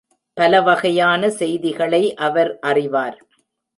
பலவகையான செய்திகளை அவர் அறிவார்.